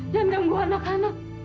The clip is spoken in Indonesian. jangan gua anak anak